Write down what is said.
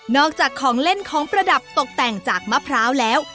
อกจากของเล่นของประดับตกแต่งจากมะพร้าวแล้ว